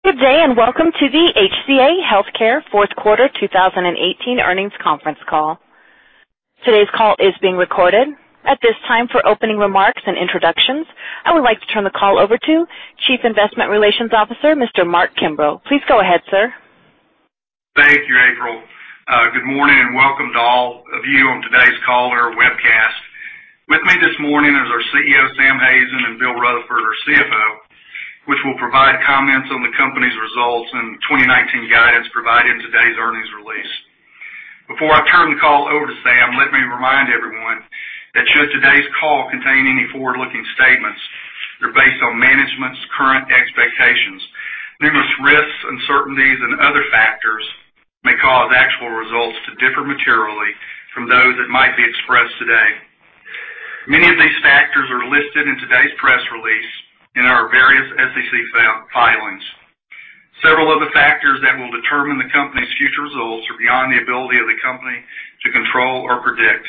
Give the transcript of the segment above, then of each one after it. Good day, and welcome to the HCA Healthcare Fourth Quarter 2018 Earnings Conference Call. Today's call is being recorded. At this time, for opening remarks and introductions, I would like to turn the call over to Chief Investor Relations Officer, Mr. Mark Kimbrough. Please go ahead, sir. Thank you, April. Good morning, and welcome to all of you on today's call or webcast. With me this morning is our CEO, Sam Hazen, and Bill Rutherford, our CFO, which will provide comments on the company's results and 2019 guidance provided in today's earnings release. Before I turn the call over to Sam, let me remind everyone that should today's call contain any forward-looking statements, they're based on management's current expectations. Numerous risks, uncertainties, and other factors may cause actual results to differ materially from those that might be expressed today. Many of these factors are listed in today's press release in our various SEC filings. Several of the factors that will determine the company's future results are beyond the ability of the company to control or predict.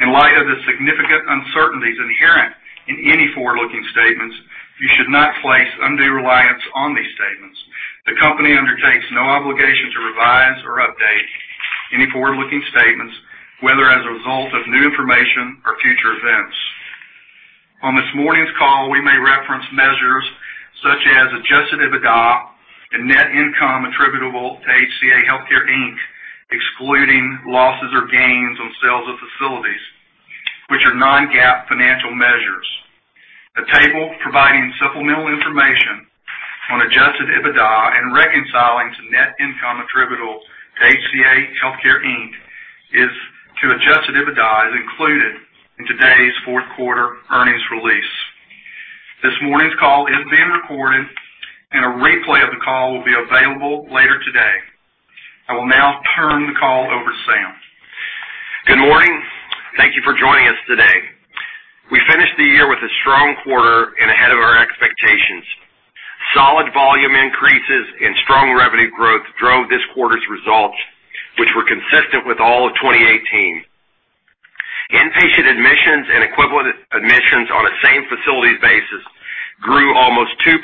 In light of the significant uncertainties inherent in any forward-looking statements, you should not place undue reliance on these statements. The company undertakes no obligation to revise or update any forward-looking statements, whether as a result of new information or future events. On this morning's call, we may reference measures such as adjusted EBITDA and net income attributable to HCA Healthcare, Inc., excluding losses or gains on sales of facilities, which are non-GAAP financial measures. A table providing supplemental information on adjusted EBITDA and reconciling to net income attributable to HCA Healthcare, Inc. to adjusted EBITDA is included in today's fourth quarter earnings release. This morning's call is being recorded, and a replay of the call will be available later today. I will now turn the call over to Sam. Good morning. Thank you for joining us today. We finished the year with a strong quarter and ahead of our expectations. Solid volume increases and strong revenue growth drove this quarter's results, which were consistent with all of 2018. Inpatient admissions and equivalent admissions on a same-facilities basis grew almost 2%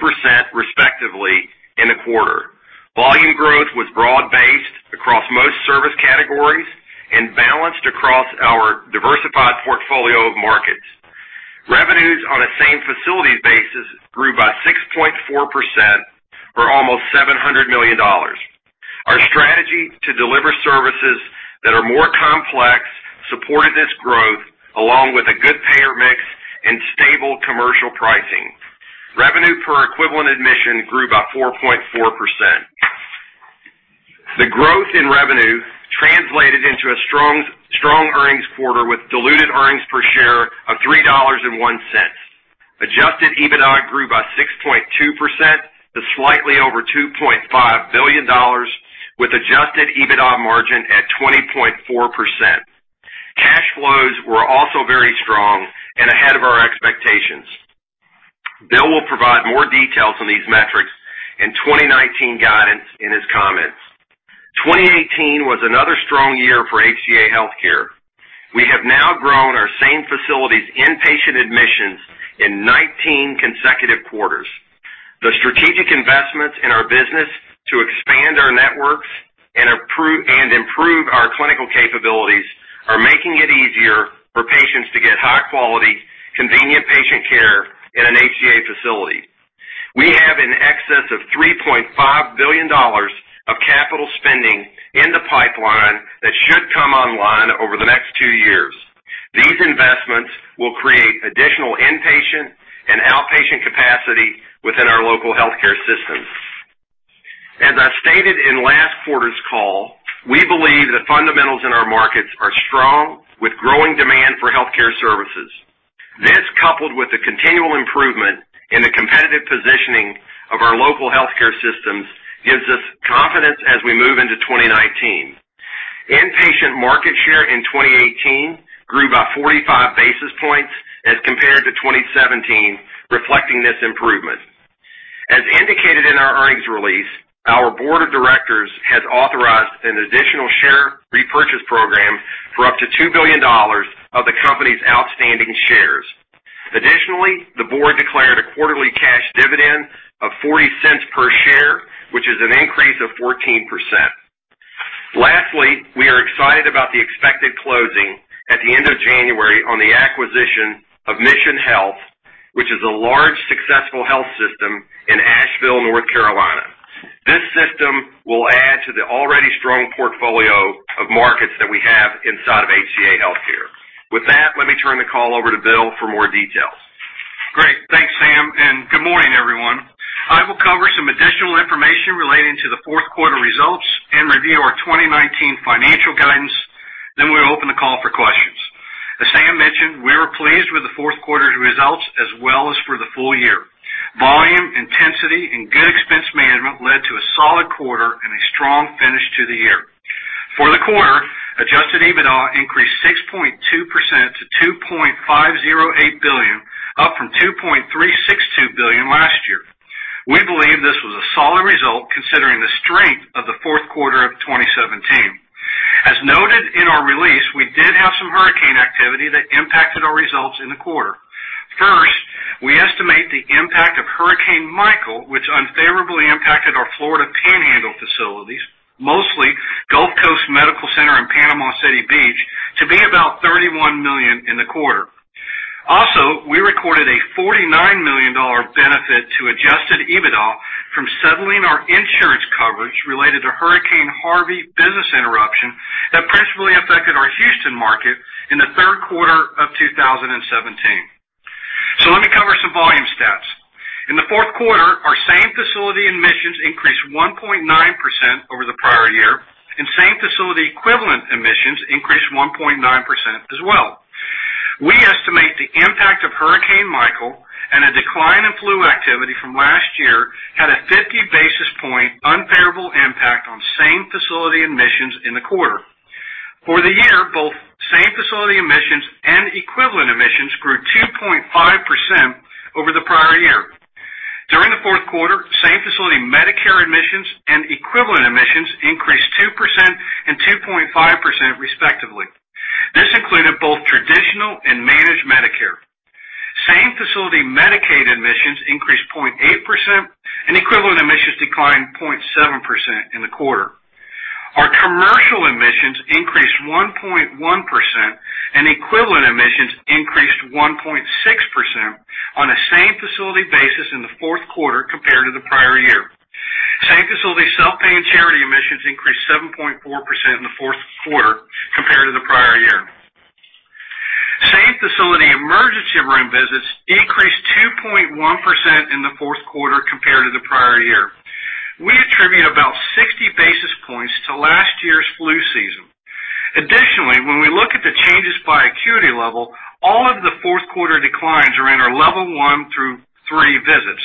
respectively in the quarter. Volume growth was broad-based across most service categories and balanced across our diversified portfolio of markets. Revenues on a same-facilities basis grew by 6.4%, or almost $700 million. Our strategy to deliver services that are more complex supported this growth, along with a good payer mix and stable commercial pricing. Revenue per equivalent admission grew by 4.4%. The growth in revenue translated into a strong earnings quarter with diluted earnings per share of $3.01. Adjusted EBITDA grew by 6.2% to slightly over $2.5 billion with adjusted EBITDA margin at 20.4%. Cash flows were also very strong and ahead of our expectations. Bill will provide more details on these metrics and 2019 guidance in his comments. 2018 was another strong year for HCA Healthcare. We have now grown our same facilities inpatient admissions in 19 consecutive quarters. The strategic investments in our business to expand our networks and improve our clinical capabilities are making it easier for patients to get high-quality, convenient patient care in an HCA facility. We have in excess of $3.5 billion of capital spending in the pipeline that should come online over the next two years. These investments will create additional inpatient and outpatient capacity within our local healthcare systems. As I stated in last quarter's call, we believe the fundamentals in our markets are strong with growing demand for healthcare services. This, coupled with the continual improvement in the competitive positioning of our local healthcare systems, gives us confidence as we move into 2019. Inpatient market share in 2018 grew by 45 basis points as compared to 2017, reflecting this improvement. As indicated in our earnings release, our board of directors has authorized an additional share repurchase program for up to $2 billion of the company's outstanding shares. Additionally, the board declared a quarterly cash dividend of $0.40 per share, which is an increase of 14%. Lastly, we are excited about the expected closing at the end of January on the acquisition of Mission Health, which is a large, successful health system in Asheville, North Carolina. This system will add to the already strong portfolio of markets that we have inside of HCA Healthcare. With that, let me turn the call over to Bill for more details. Great. Thanks, Sam. Good morning, everyone. I will cover some additional information relating to the fourth quarter results and review our 2019 financial guidance. We'll open the call for questions. As Sam mentioned, we were pleased with the fourth quarter's results as well as for the full year. Volume, intensity, and good expense management led to a solid quarter and a strong finish to the year. For the quarter, adjusted EBITDA increased 6.2% to $2.508 billion, up from $2.362 billion last year. We believe this was a solid result considering the strength of the fourth quarter of 2017 Impacted our results in the quarter. First, we estimate the impact of Hurricane Michael, which unfavorably impacted our Florida Panhandle facilities, mostly Gulf Coast Medical Center in Panama City Beach, to be about $31 million in the quarter. We recorded a $49 million benefit to adjusted EBITDA from settling our insurance coverage related to Hurricane Harvey business interruption that principally affected our Houston market in the third quarter of 2017. Let me cover some volume stats. In the fourth quarter, our same-facility admissions increased 1.9% over the prior year, and same-facility equivalent admissions increased 1.9% as well. We estimate the impact of Hurricane Michael and a decline in flu activity from last year had a 50 basis point unfavorable impact on same-facility admissions in the quarter. For the year, both same-facility admissions and equivalent admissions grew 2.5% over the prior year. During the fourth quarter, same-facility Medicare admissions and equivalent admissions increased 2% and 2.5%, respectively. This included both traditional and managed Medicare. Same-facility Medicaid admissions increased 0.8%, and equivalent admissions declined 0.7% in the quarter. Our commercial admissions increased 1.1%, and equivalent admissions increased 1.6% on a same-facility basis in the fourth quarter compared to the prior year. Same-facility self-pay and charity admissions increased 7.4% in the fourth quarter compared to the prior year. Same-facility emergency room visits increased 2.1% in the fourth quarter compared to the prior year. We attribute about 60 basis points to last year's flu season. Additionally, when we look at the changes by acuity level, all of the fourth quarter declines are in our level 1 through 3 visits.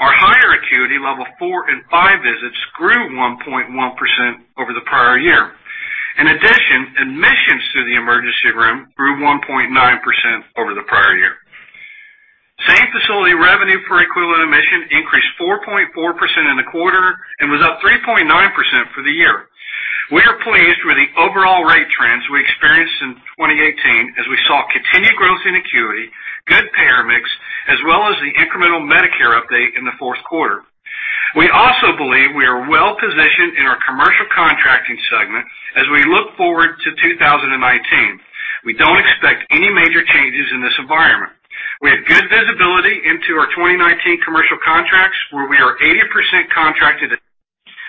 Our higher acuity level 4 and 5 visits grew 1.1% over the prior year. In addition, admissions to the emergency room grew 1.9% over the prior year. Same-facility revenue per equivalent admission increased 4.4% in the quarter and was up 3.9% for the year. We are pleased with the overall rate trends we experienced in 2018 as we saw continued growth in acuity, good payer mix, as well as the incremental Medicare update in the fourth quarter. We also believe we are well-positioned in our commercial contracting segment as we look forward to 2019. We don't expect any major changes in this environment. We have good visibility into our 2019 commercial contracts, where we are 80% contracted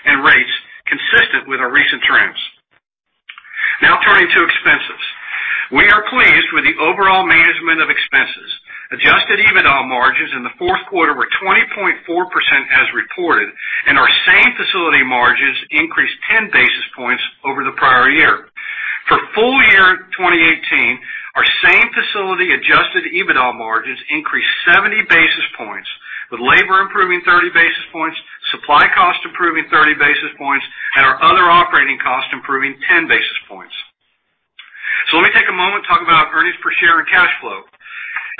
and rates consistent with our recent trends. Now turning to expenses. We are pleased with the overall management of expenses. Adjusted EBITDA margins in the fourth quarter were 20.4% as reported, and our same-facility margins increased 10 basis points over the prior year. For full year 2018, our same-facility adjusted EBITDA margins increased 70 basis points, with labor improving 30 basis points, supply cost improving 30 basis points, and our other operating costs improving 10 basis points. Let me take a moment to talk about earnings per share and cash flow.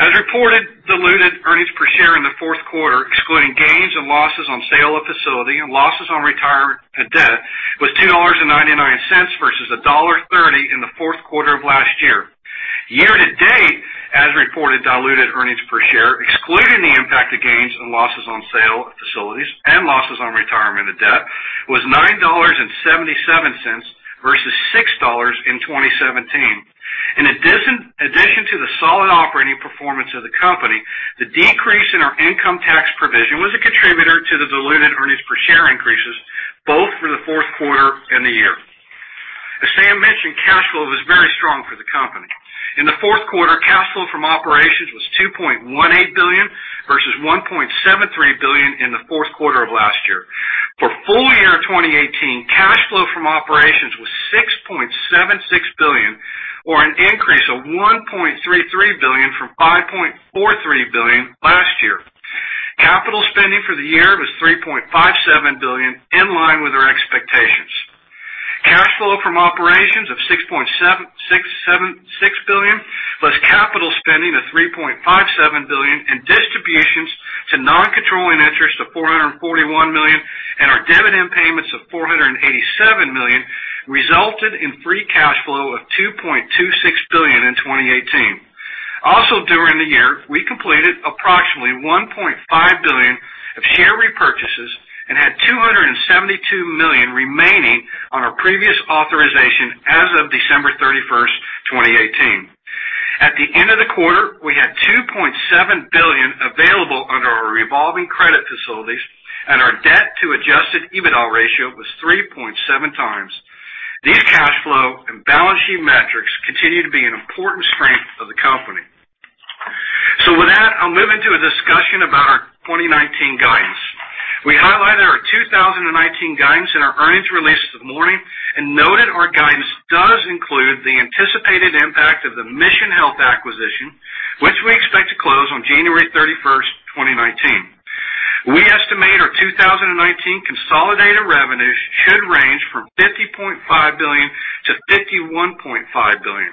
As reported, diluted earnings per share in the fourth quarter, excluding gains and losses on sale of facility and losses on retirement of debt, was $2.99 versus $1.30 in the fourth quarter of last year. Year-to-date, as reported diluted earnings per share, excluding the impact of gains and losses on sale of facilities and losses on retirement of debt, was $9.77 versus $6 in 2017. In addition to the solid operating performance of the company, the decrease in our income tax provision was a contributor to the diluted earnings per share increases, both for the fourth quarter and the year. As Sam mentioned, cash flow was very strong for the company. In the fourth quarter, cash flow from operations was $2.18 billion, versus $1.73 billion in the fourth quarter of last year. For full year 2018, cash flow from operations was $6.76 billion, or an increase of $1.33 billion from $5.43 billion last year. Capital spending for the year was $3.57 billion, in line with our expectations. Cash flow from operations of $6.76 billion, plus capital spending of $3.57 billion, and distributions to non-controlling interests of $441 million, and our dividend payments of $487 million, resulted in free cash flow of $2.26 billion in 2018. Also during the year, we completed approximately $1.5 billion of share repurchases and had $272 million remaining on our previous authorization as of December 31, 2018. At the end of the quarter, we had $2.7 billion available under our revolving credit facilities, and our debt to adjusted EBITDA ratio was 3.7 times. These cash flow and balance sheet metrics continue to be an important strength of the company. With that, I'll move into a discussion about our 2019 guidance. We highlighted our 2019 guidance in our earnings release this morning and noted our guidance does include the anticipated impact of the Mission Health acquisition, which we expect to close on January 31st, 2019. We estimate our 2019 consolidated revenues should range from $50.5 billion to $51.5 billion.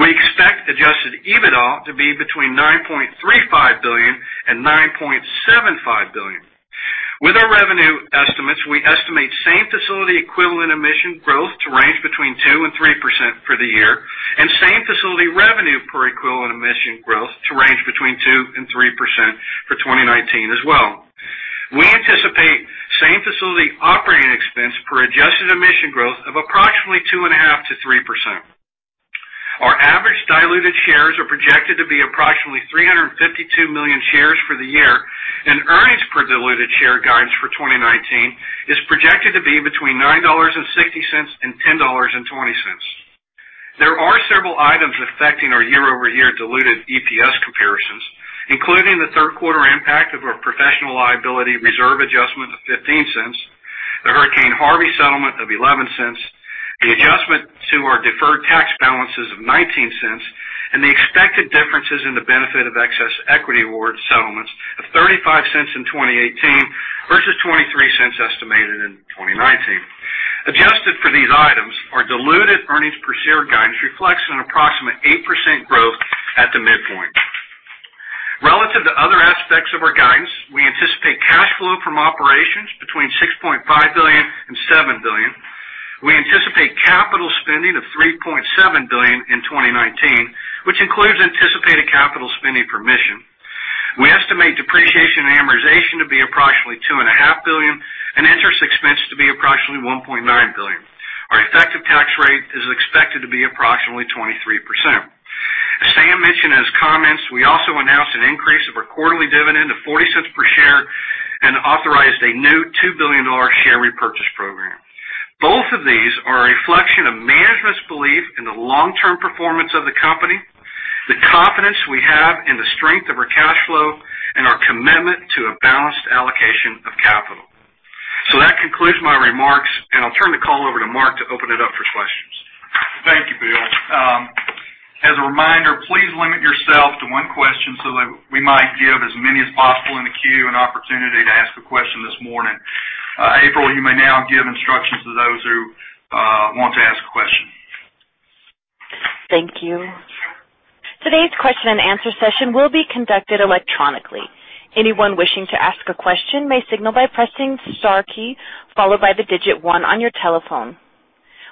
We expect adjusted EBITDA to be between $9.35 billion and $9.75 billion. With our revenue estimates, we estimate same-facility equivalent admission growth to range between 2% and 3% for the year, and same-facility revenue per equivalent admission growth to range between 2% and 3% for 2019 as well. We anticipate same-facility operating expense per adjusted admission growth of approximately 2.5% to 3%. Our average diluted shares are projected to be approximately 352 million shares for the year, and earnings per diluted share guidance for 2019 is projected to be between $9.60 and $10.20. There are several items affecting our year-over-year diluted EPS comparisons, including the third quarter impact of our professional liability reserve adjustment of $0.15, the Hurricane Harvey settlement of $0.11, the adjustment to our deferred tax balances of $0.19, and the expected differences in the benefit of excess equity award settlements of $0.35 in 2018 versus $0.23 estimated in 2019. Adjusted for these items, our diluted earnings per share guidance reflects an approximate 8% growth at the midpoint. Relative to other aspects of our guidance, we anticipate cash flow from operations between $6.5 billion and $7 billion. We anticipate capital spending of $3.7 billion in 2019, which includes anticipated capital spending for Mission. We estimate depreciation and amortization to be approximately $2.5 billion and interest expense to be approximately $1.9 billion. Our effective tax rate is expected to be approximately 23%. As Sam mentioned in his comments, we also announced an increase of our quarterly dividend to $0.40 per share and authorized a new $2 billion share repurchase program. Both of these are a reflection of management's belief in the long-term performance of the company, the confidence we have in the strength of our cash flow, and our commitment to a balanced allocation of capital. That concludes my remarks, and I'll turn the call over to Mark to open it up for questions. Thank you, Bill. As a reminder, please limit yourself to one question so that we might give as many as possible in the queue an opportunity to ask a question this morning. April, you may now give instructions to those who want to ask a question. Thank you. Today's question and answer session will be conducted electronically. Anyone wishing to ask a question may signal by pressing * key, followed by the digit 1 on your telephone.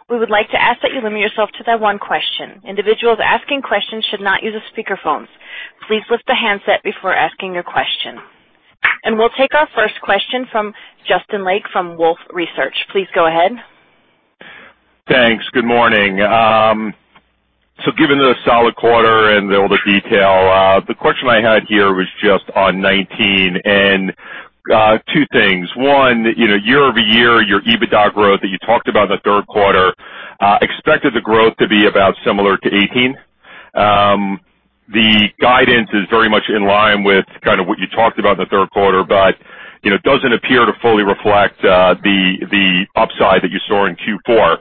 We would like to ask that you limit yourself to that one question. Individuals asking questions should not use speakerphones. Please lift the handset before asking your question. We'll take our first question from Justin Lake from Wolfe Research. Please go ahead. Thanks. Good morning. Given the solid quarter and all the detail, the question I had here was just on 2019 and two things. One, year-over-year, your EBITDA growth that you talked about in the third quarter, expected the growth to be about similar to 2018. The guidance is very much in line with kind of what you talked about in the third quarter. It doesn't appear to fully reflect the upside that you saw in Q4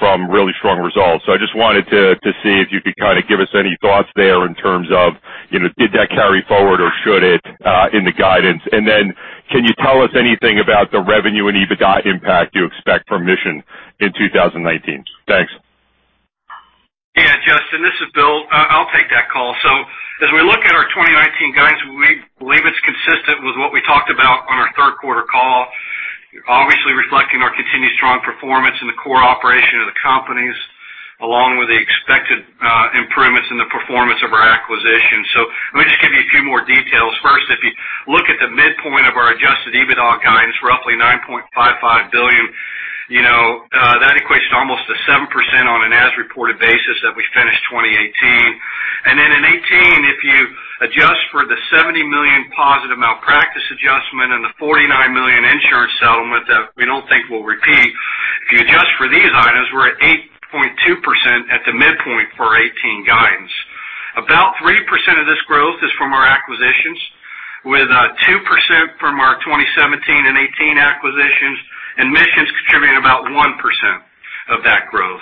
from really strong results. I just wanted to see if you could kind of give us any thoughts there in terms of, did that carry forward or should it in the guidance? Can you tell us anything about the revenue and EBITDA impact you expect from Mission in 2019? Thanks. Yeah, Justin, this is Bill. I'll take that call. As we look at our 2019 guidance, we believe it's consistent with what we talked about on our third quarter call, obviously reflecting our continued strong performance in the core operation of the companies, along with the expected improvements in the performance of our acquisition. Let me just give you a few more details. First, if you look at the midpoint of our adjusted EBITDA guidance, roughly $9.55 billion, that equates to almost a 7% on an as-reported basis that we finished 2018. In 2018, if you adjust for the $70 million positive malpractice adjustment and the $49 million insurance settlement that we don't think will repeat, if you adjust for these items, we're at 8.2% at the midpoint for 2018 guidance. About 3% of this growth is from our acquisitions, with 2% from our 2017 and 2018 acquisitions, and Mission's contributing about 1% of that growth.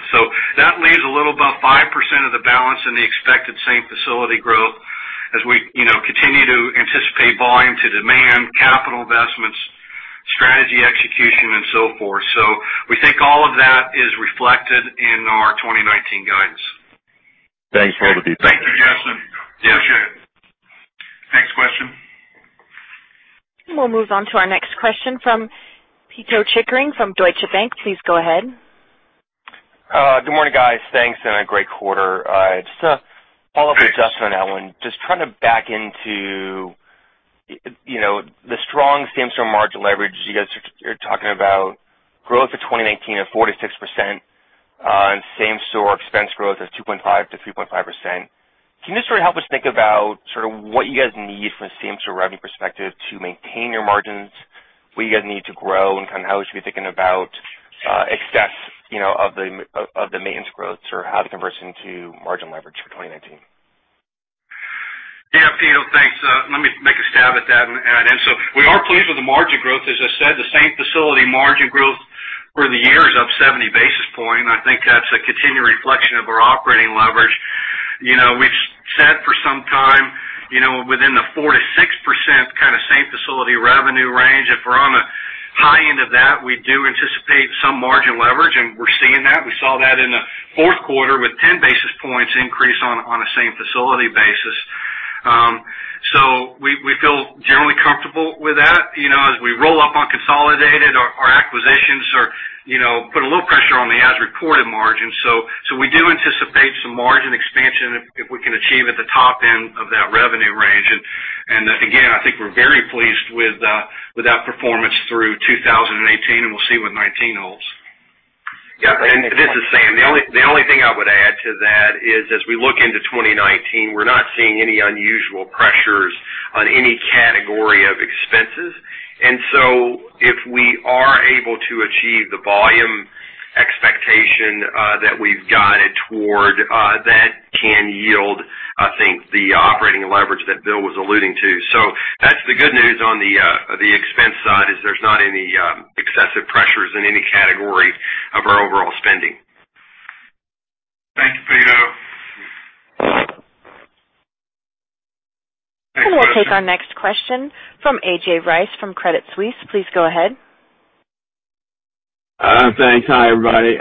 That leaves a little above 5% of the balance in the expected same-facility growth as we continue to anticipate volume to demand, capital investments, strategy execution, and so forth. We think all of that is reflected in our 2019 guidance. Thanks for all the details. Thank you, Justin. Yeah. Appreciate it. Next question. We'll move on to our next question from Pito Chickering from Deutsche Bank. Please go ahead. Good morning, guys. Thanks, a great quarter. Thanks to Justin on that one. Just trying to back into the strong same-store margin leverage. You guys are talking about growth for 2019 of 4%-6%, and same-store expense growth of 2.5%-3.5%. Can you just sort of help us think about sort of what you guys need from a same-store revenue perspective to maintain your margins? What you guys need to grow and kind of how we should be thinking about excess of the maintenance growth or how to convert it into margin leverage for 2019? Yeah, Pito, thanks. Let me make a stab at that. We are pleased with the margin growth. As I said, the same-facility margin growth for the year is up 70 basis points, and I think that's a continued reflection of our operating leverage. We've said for some time within the 4%-6% kind of same-facility revenue range if we're high end of that, we do anticipate some margin leverage, and we're seeing that. We saw that in the fourth quarter with 10 basis points increase on a same-facility basis. We feel generally comfortable with that. As we roll up on consolidated, our acquisitions put a little pressure on the as-reported margin. We do anticipate some margin expansion if we can achieve at the top end of that revenue range. I think we're very pleased with that performance through 2018, and we'll see what 2019 holds. This is Sam. The only thing I would add to that is, as we look into 2019, we're not seeing any unusual pressures on any category of expenses. If we are able to achieve the volume expectation that we've guided toward, that can yield, I think, the operating leverage that Bill was alluding to. That's the good news on the expense side, is there's not any excessive pressures in any category of our overall spending. Thank you, Pito. Thanks, Justin. We'll take our next question from A.J. Rice from Credit Suisse. Please go ahead. Thanks. Hi, everybody.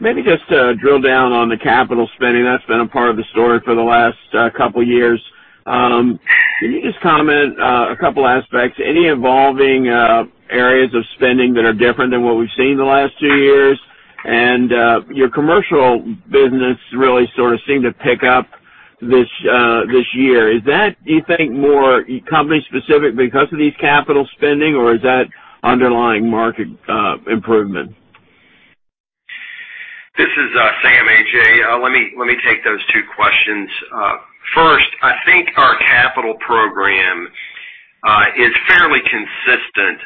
Maybe just to drill down on the capital spending. That's been a part of the story for the last couple of years. Can you just comment a 2 aspects, any evolving areas of spending that are different than what we've seen in the last 2 years? Your commercial business really sort of seemed to pick up this year. Is that, do you think, more company specific because of these capital spending, or is that underlying market improvement? This is Sam, A.J. Let me take those 2 questions. First, I think our capital program is fairly consistent.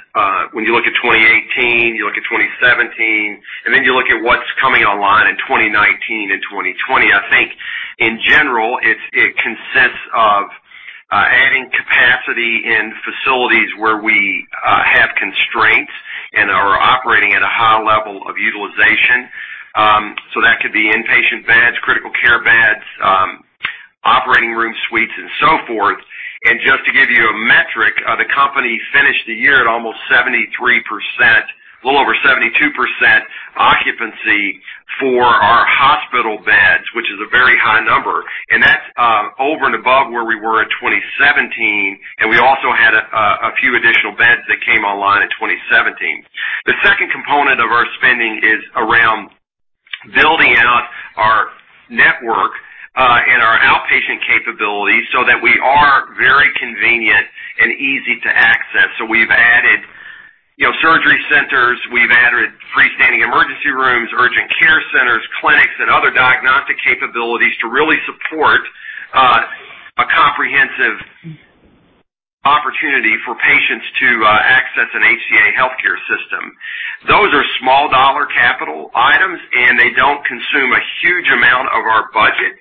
When you look at 2018, you look at 2017, you look at what's coming online in 2019 and 2020, I think, in general, it consists of adding capacity in facilities where we have constraints and are operating at a high level of utilization. That could be inpatient beds, critical care beds, operating room suites, and so forth. Just to give you a metric, the company finished the year at a little over 72% occupancy for our hospital beds, which is a very high number. That's over and above where we were at 2017, and we also had a few additional beds that came online in 2017. The second component of our spending is around building out our network and our outpatient capabilities so that we are very convenient and easy to access. We've added surgery centers, we've added freestanding emergency rooms, urgent care centers, clinics, and other diagnostic capabilities to really support a comprehensive opportunity for patients to access an HCA Healthcare system. Those are small-dollar capital items, and they don't consume a huge amount of our budget.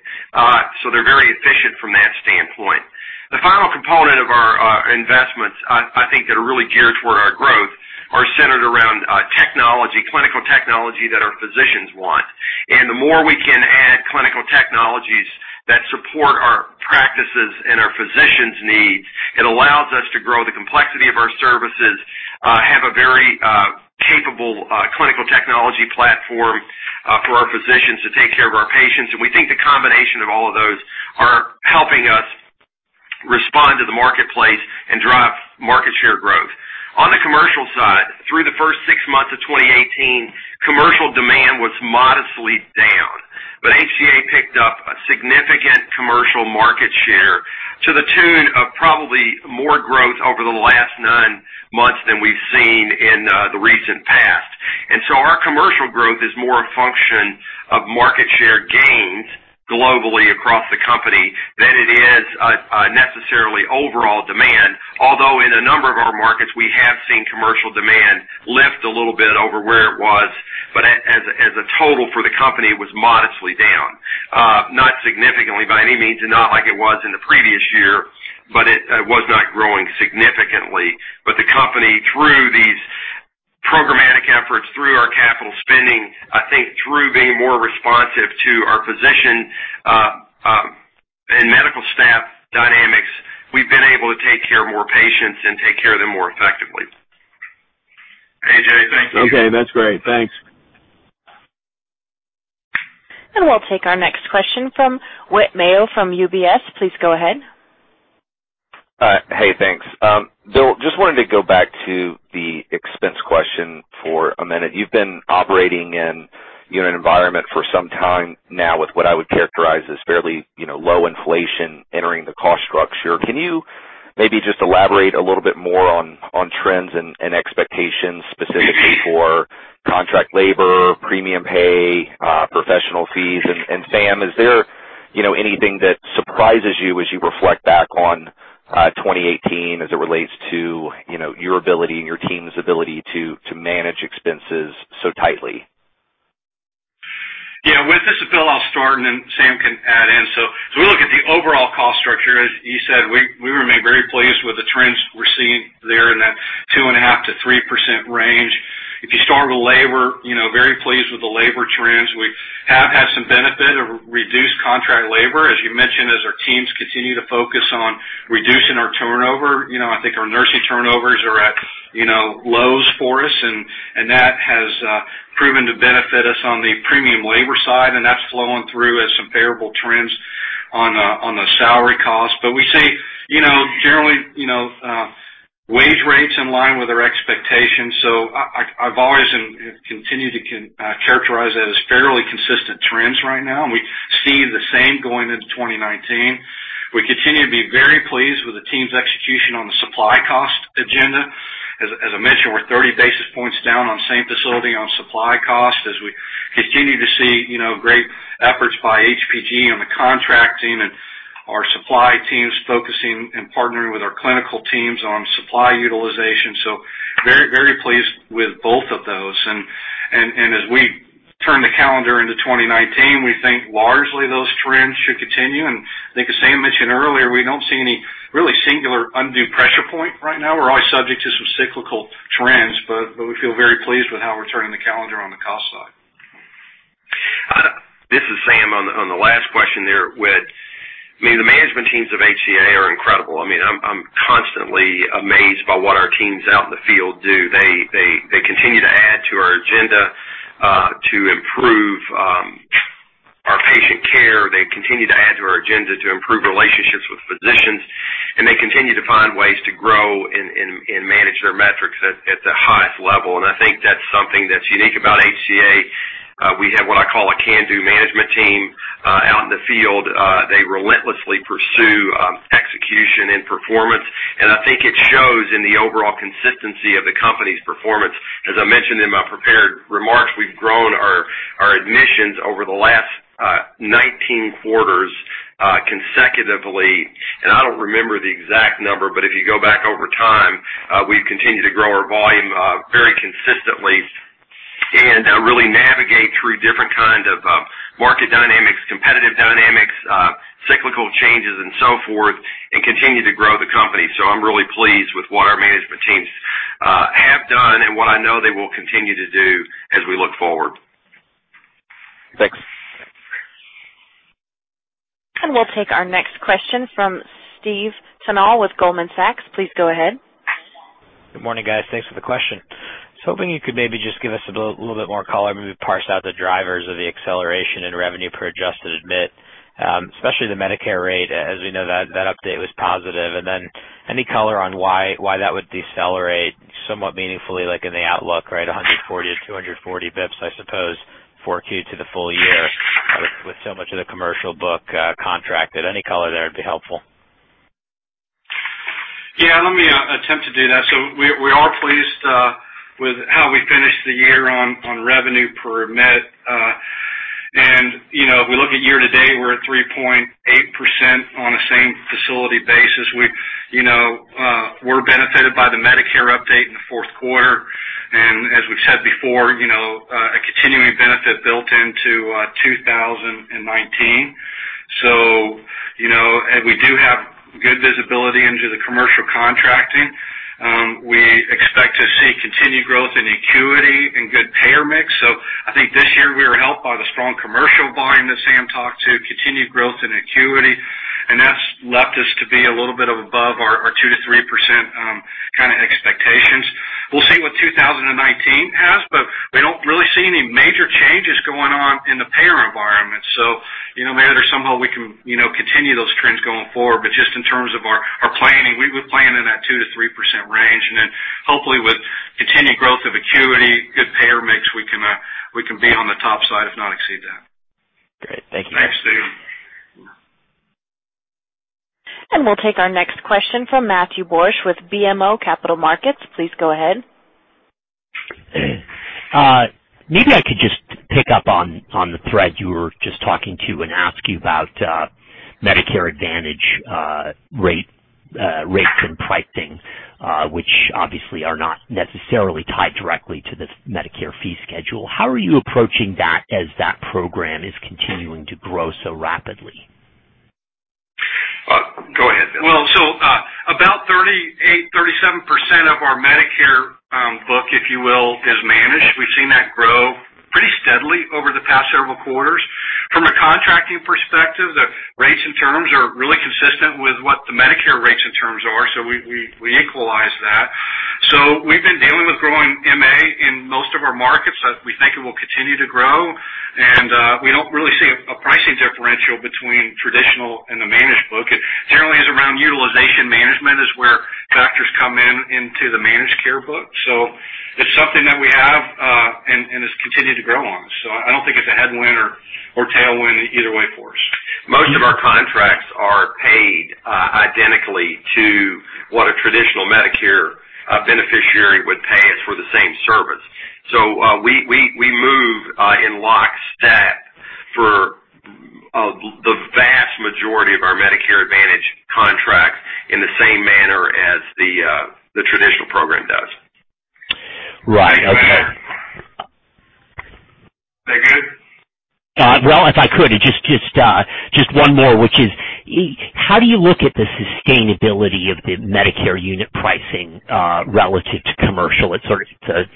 They're very efficient from that standpoint. The final component of our investments, I think, that are really geared toward our growth are centered around clinical technology that our physicians want. The more we can add clinical technologies that support our practices and our physicians' needs, it allows us to grow the complexity of our services, have a very capable clinical technology platform for our physicians to take care of our patients. We think the combination of all of those are helping us respond to the marketplace and drive market share growth. On the commercial side, through the first 6 months of 2018, commercial demand was modestly down. HCA picked up a significant commercial market share to the tune of probably more growth over the last 9 months than we've seen in the recent past. Our commercial growth is more a function of market share gains globally across the company than it is necessarily overall demand. Although in a number of our markets, we have seen commercial demand lift a little bit over where it was. As a total for the company, it was modestly down. Not significantly by any means, and not like it was in the previous year, but it was not growing significantly. The company, through these programmatic efforts, through our capital spending, I think through being more responsive to our physician and medical staff dynamics, we've been able to take care of more patients and take care of them more effectively. A.J., thank you. Okay. That's great. Thanks. We'll take our next question from Whit Mayo from UBS. Please go ahead. Hey, thanks. Bill, just wanted to go back to the expense question for a minute. You've been operating in an environment for some time now with what I would characterize as fairly low inflation entering the cost structure. Can you maybe just elaborate a little bit more on trends and expectations specifically for contract labor, premium pay, professional fees? Sam, is there anything that surprises you as you reflect back on 2018 as it relates to your ability and your team's ability to manage expenses so tightly? Yeah. Whit, this is Bill. I'll start, then Sam can add in. As we look at the overall cost structure, as you said, we remain very pleased with the trends we're seeing there in that 2.5%-3% range. If you start with labor, very pleased with the labor trends. We have had some benefit of reduced contract labor, as you mentioned, as our teams continue to focus on reducing our turnover. I think our nursing turnovers are at lows for us, and that has proven to benefit us on the premium labor side, and that's flowing through as some favorable trends on the salary cost. We see generally, wage rates in line with our expectations. I've always and continue to characterize that as fairly consistent trends right now, and we see the same going into 2019. We continue to be very pleased with the team's execution on the supply cost agenda. As I mentioned, we're 30 basis points down on same facility on supply cost as we continue to see great efforts by HealthTrust on the contracting and our supply teams focusing and partnering with our clinical teams on supply utilization. Very pleased with both of those. As we turn the calendar into 2019, we think largely those trends should continue, and I think as Sam mentioned earlier, we don't see any really singular undue pressure point right now. We're always subject to some cyclical trends, we feel very pleased with how we're turning the calendar on the cost side. This is Sam on the last question there, Whit. I mean, the management teams of HCA are incredible. I'm constantly amazed by what our teams out in the field do. They continue to add to our agenda to improve our patient care. They continue to add to our agenda to improve relationships with physicians, they continue to find ways to grow and manage their metrics at the highest level. I think that's something that's unique about HCA. We have what I call a can-do management team out in the field. They relentlessly pursue execution and performance, I think it shows in the overall consistency of the company's performance. As I mentioned in my prepared remarks, we've grown our admissions over the last 19 quarters consecutively. I don't remember the exact number, but if you go back over time, we've continued to grow our volume very consistently and really navigate through different kind of market dynamics, competitive dynamics, cyclical changes and so forth, and continue to grow the company. I'm really pleased with what our management teams have done and what I know they will continue to do as we look forward. Thanks. We'll take our next question from Steve Tanal with Goldman Sachs. Please go ahead. Good morning, guys. Thanks for the question. Just hoping you could maybe just give us a little bit more color, maybe parse out the drivers of the acceleration in revenue per adjusted admit, especially the Medicare rate. As we know, that update was positive. Then any color on why that would decelerate somewhat meaningfully like in the outlook, right, 140-240 basis points, I suppose, 4Q to the full year, with so much of the commercial book contracted. Any color there would be helpful. Yeah, let me attempt to do that. We are pleased with how we finished the year on revenue per admit. If we look at year-to-date, we're at 3.8% on a same facility basis. We're benefited by the Medicare update in the fourth quarter, and as we've said before, a continuing benefit built into 2019. We do have good visibility into the commercial contracting. We expect to see continued growth in acuity and good payer mix. I think this year we were helped by the strong commercial volume that Sam talked to, continued growth and acuity, and that's left us to be a little bit above our 2%-3% kind of expectations. We'll see what 2019 has. We don't really see any major changes going on in the payer environment. Maybe there's somehow we can continue those trends going forward. In terms of our planning, we plan in that 2%-3% range. Hopefully with continued growth of acuity, good payer mix, we can be on the top side, if not exceed that. Great. Thank you. Thanks, Steve. We'll take our next question from Matthew Borsch with BMO Capital Markets. Please go ahead. Maybe I could just pick up on the thread you were just talking to and ask you about Medicare Advantage rates and pricing which obviously are not necessarily tied directly to the Medicare fee schedule. How are you approaching that as that program is continuing to grow so rapidly? Go ahead. Well, about 38%, 37% of our Medicare book, if you will, is managed. We've seen that grow pretty steadily over the past several quarters. From a contracting perspective, the rates and terms are really consistent with what the Medicare rates and terms are. We equalize that. We've been dealing with growing MA in most of our markets. We think it will continue to grow, and we don't really see a pricing differential between traditional and the managed book. It generally is around utilization management is where factors come in into the managed care book. It's something that we have and has continued to grow on. I don't think it's a headwind or tailwind either way for us. Most of our contracts are paid identically to what a traditional Medicare beneficiary would pay us for the same service. We move in lockstep for the vast majority of our Medicare Advantage contracts in the same manner as the traditional program does. Okay. Well, if I could, just one more, which is how do you look at the sustainability of the Medicare unit pricing, relative to commercial? If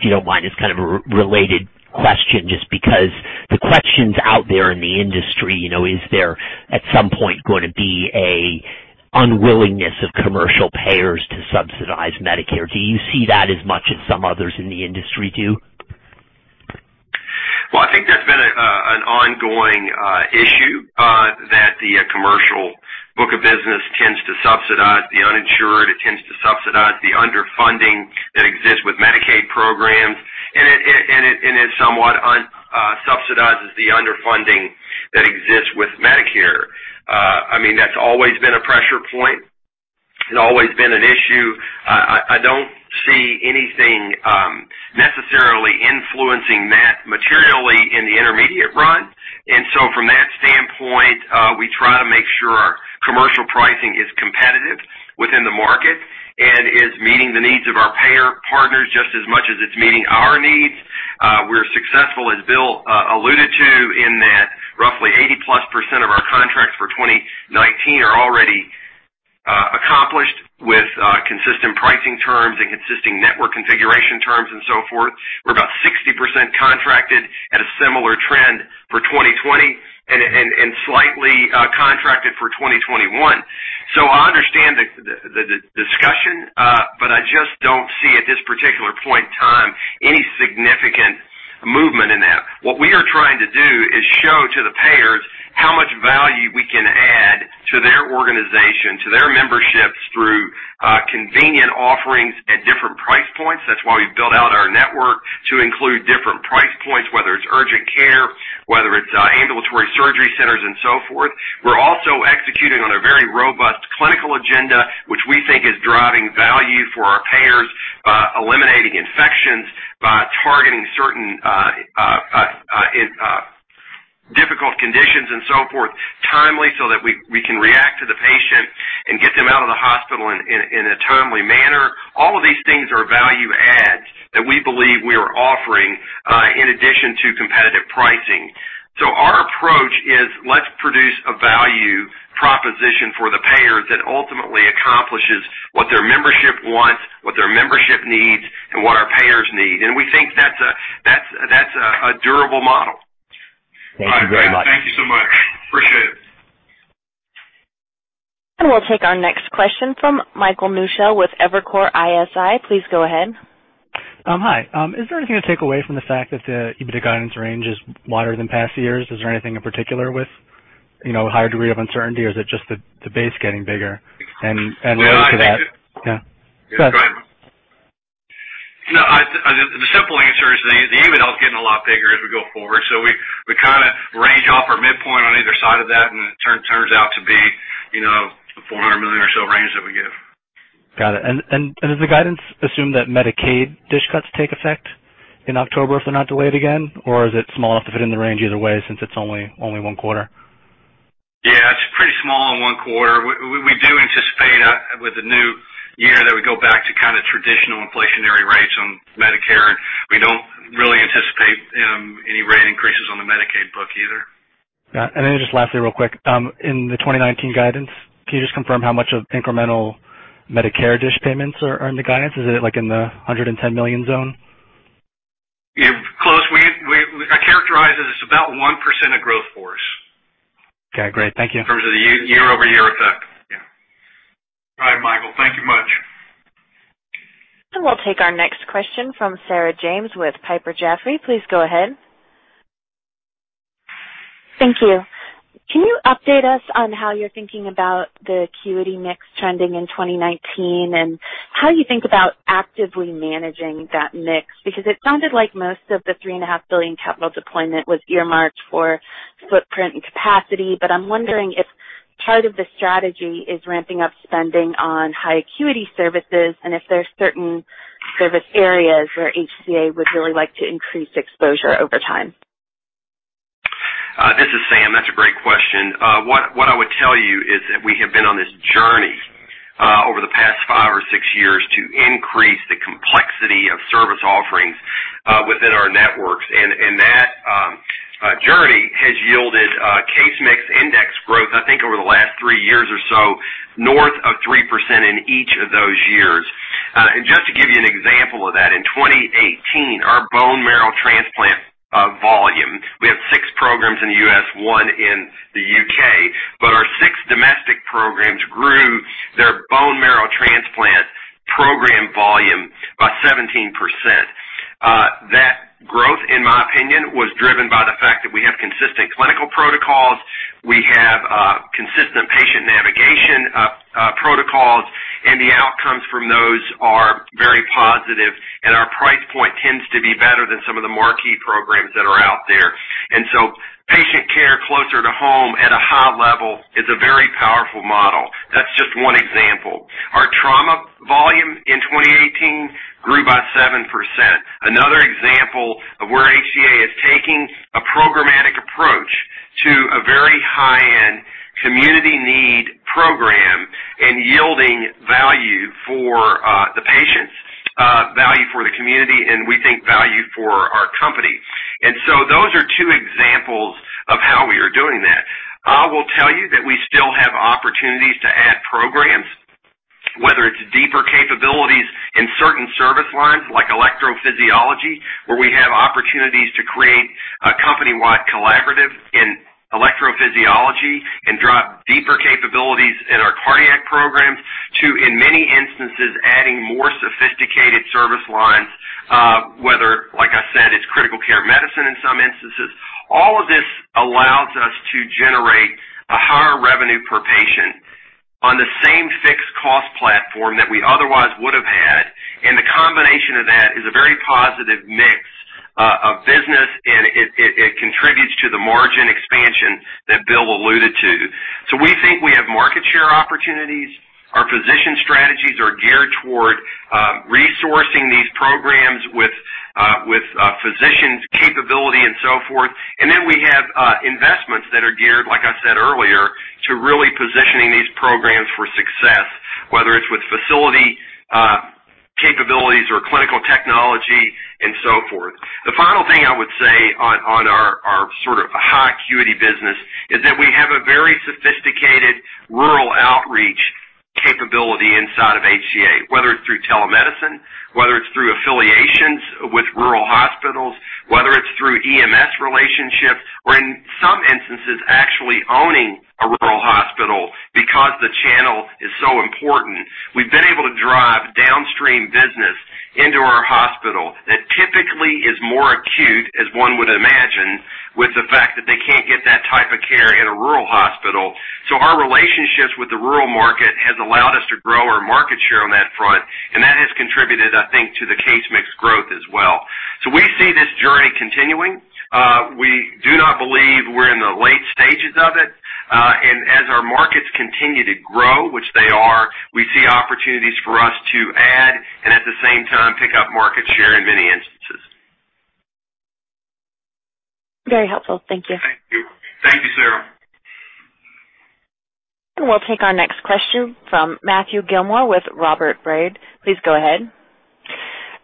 you don't mind, it's kind of a related question, just because the question's out there in the industry, is there, at some point, going to be an unwillingness of commercial payers to subsidize Medicare? Do you see that as much as some others in the industry do? Well, I think that's been an ongoing issue, that the commercial book of business tends to subsidize the uninsured, it tends to subsidize the underfunding that exists with Medicaid programs, and it somewhat subsidizes the underfunding that exists with Medicare. That's always been a pressure point. It's always been an issue. I don't see anything necessarily influencing that materially in the intermediate run. From that standpoint, we try to make sure our commercial pricing is competitive within the market and is meeting the needs of our payer partners just as much as it's meeting our needs. We're successful, as Bill alluded to, in that roughly 80-plus% of our contracts for 2019 are already accomplished with consistent pricing terms and consistent network configuration terms and so forth. We're about 60% contracted at a similar trend for 2020 and slightly contracted for 2021. I understand the discussion, but I just don't see at this particular point in time any significant movement in that. What we are trying to do is show to the payers how much value we can add to their organization, to their memberships, through convenient offerings at different price points. That's why we've built out our network to include different price points, whether it's urgent care, whether it's ambulatory surgery centers and so forth. We're also executing on a very robust clinical agenda, which we think is driving value for our payers, eliminating infections by targeting certain difficult conditions and so forth timely so that we can react to the patient and get them out of the hospital in a timely manner. All of these things are value adds that we believe we are offering in addition to competitive pricing. Our approach is, let's produce a value proposition for the payers that ultimately accomplishes what their membership wants, what their membership needs, and what our payers need. We think that's a durable model. Thank you very much. Thank you so much. Appreciate it. We'll take our next question from Michael Newshel with Evercore ISI. Please go ahead. Hi. Is there anything to take away from the fact that the EBITDA guidance range is wider than past years? Is there anything in particular with higher degree of uncertainty, or is it just the base getting bigger and related to that? Yeah. Go ahead. The simple answer is the EBITDA is getting a lot bigger as we go forward. We kind of range off our midpoint on either side of that, and it turns out to be the $400 million or so range that we give. Got it. Does the guidance assume that Medicaid DSH cuts take effect in October if they're not delayed again, or is it small enough to fit in the range either way, since it's only one quarter? Yeah, it's pretty small in one quarter. We do anticipate with the new year that we go back to kind of traditional inflationary rates on Medicare, and we don't really anticipate any rate increases on the Medicaid book either. Got it. Just lastly, real quick, in the 2019 guidance, can you just confirm how much of incremental Medicare DSH payments are in the guidance? Is it in the $110 million zone? Close. I characterize it as about 1% of growth for us. Okay, great. Thank you. In terms of the year-over-year effect. Yeah. All right, Michael. Thank you much. We'll take our next question from Sarah James with Piper Jaffray. Please go ahead. Thank you. Can you update us on how you're thinking about the acuity mix trending in 2019 and how you think about actively managing that mix? It sounded like most of the $3.5 billion capital deployment was earmarked for footprint and capacity, but I'm wondering if part of the strategy is ramping up spending on high acuity services and if there's certain service areas where HCA would really like to increase exposure over time. This is Sam. That's a great question. What I would tell you is that we have been on this journey over the past five or six years to increase the complexity of service offerings within our networks. That journey has yielded case mix index growth, I think over the last three years or so, north of 3% in each of those years. Just to give you an example of that, in 2018, our bone marrow transplant volume, we have six programs in the U.S., one in the U.K., but our six domestic programs grew their bone marrow transplant program volume by 17%. That growth, in my opinion, was driven by the fact that we have consistent clinical protocols, we have consistent patient navigation protocols, and the outcomes from those are very positive, and our price point tends to be better than some of the marquee programs that are out there. Patient care closer to home at a high level is a very powerful model. That's just one example. Our trauma volume in 2018 grew by 7%. Another example of where HCA is taking a programmatic approach to a very high-end community need for the patients, value for the community, and we think value for our company. Those are two examples of how we are doing that. I will tell you that we still have opportunities to add programs, whether it's deeper capabilities in certain service lines, like electrophysiology, where we have opportunities to create a company-wide collaborative in electrophysiology and drive deeper capabilities in our cardiac programs to, in many instances, adding more sophisticated service lines, whether, like I said, it's critical care medicine in some instances. All of this allows us to generate a higher revenue per patient on the same fixed cost platform that we otherwise would have had. The combination of that is a very positive mix of business, and it contributes to the margin expansion that Bill alluded to. We think we have market share opportunities. Our physician strategies are geared toward resourcing these programs with physicians, capability, and so forth. We have investments that are geared, like I said earlier, to really positioning these programs for success, whether it's with facility capabilities or clinical technology and so forth. The final thing I would say on our sort of high acuity business is that we have a very sophisticated rural outreach capability inside of HCA, whether it's through telemedicine, whether it's through affiliations with rural hospitals, whether it's through EMS relationships, or in some instances, actually owning a rural hospital because the channel is so important. We've been able to drive downstream business into our hospital that typically is more acute, as one would imagine, with the fact that they can't get that type of care in a rural hospital. Our relationships with the rural market has allowed us to grow our market share on that front, and that has contributed, I think, to the case mix growth as well. We see this journey continuing. We do not believe we're in the late stages of it. As our markets continue to grow, which they are, we see opportunities for us to add and at the same time, pick up market share in many instances. Very helpful. Thank you. Thank you. Thank you, Sarah. We'll take our next question from Matthew Gilmore with Robert W. Baird. Please go ahead.